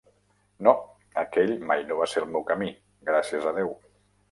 No, aquell mai no va ser el meu camí, gràcies a déu.